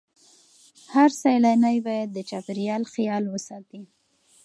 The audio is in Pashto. هر سیلانی باید د چاپیریال خیال وساتي.